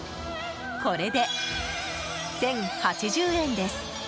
これで１０８０円です。